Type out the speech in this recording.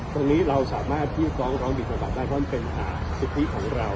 ตรงนี้เราสามารถที่ฟ้องร้องผิดกฎหมายได้เพราะมันเป็นสิทธิของเรา